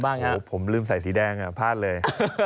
ปรุงภาพผมลืมใส่สีแดงล่ะพลาดเลย